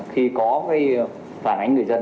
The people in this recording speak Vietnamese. khi có phản ánh người dân